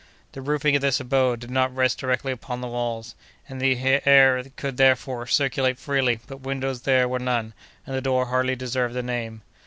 The roofing of this abode did not rest directly upon the walls, and the air could, therefore, circulate freely, but windows there were none, and the door hardly deserved the name.